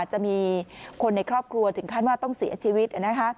จะมีคนในครอบครัวถึงขั้นว่าต้องเสียชีวิต